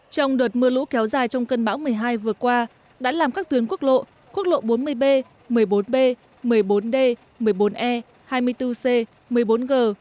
trong đợt mưa lũ kéo dài trong cơn bão một mươi hai vừa qua đã làm các tuyến quốc lộ quốc lộ bốn mươi b một mươi bốn b một mươi bốn d một mươi bốn e hai mươi bốn c một mươi bốn g